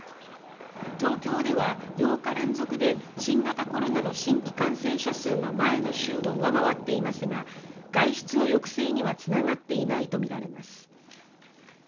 東京では８日連続で新型コロナの新規感染者数が前の週を上回っていますが外出の抑制にはつながっていないとみられます。